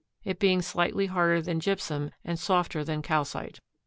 5, it being slightly harder than gypsum and softer than calcite.